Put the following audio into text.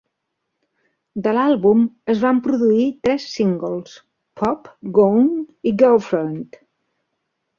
De l'àlbum es van produir tres singles: "Pop", "Gone" i "Girlfriend".